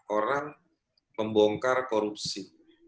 orang membongkar korupsi